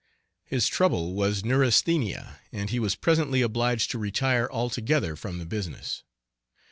His trouble was neurasthenia, and he was presently obliged to retire altogether from the business.